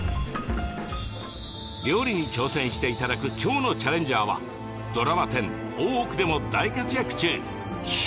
料理に挑戦していただく今日のチャレンジャーはドラマ１０「大奥」でも大活躍中。